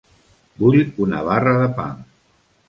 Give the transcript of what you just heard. Vull una barra de pa.